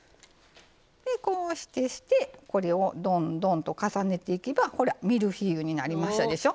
でこうしてこれをどんどんと重ねていけばほらミルフィーユになりましたでしょ。